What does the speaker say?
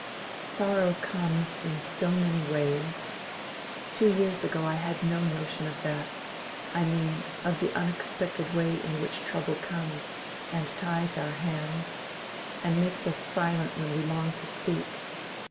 "Sorrow comes in so many ways. Two years ago I had no notion of that—I mean of the unexpected way in which trouble comes, and ties our hands, and makes us silent when we long to speak.